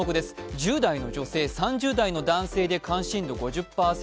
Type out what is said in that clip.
１０代の女性、３０代の男性で関心度５０％